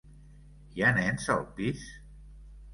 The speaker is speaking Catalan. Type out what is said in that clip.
Hi ha nens al pis?